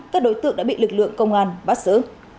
các đối tượng đã bị lực lượng công an bắt giữ